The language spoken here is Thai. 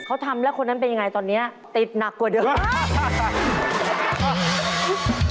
เขาทำแล้วคนนั้นเป็นยังไงตอนนี้ติดหนักกว่าเดิม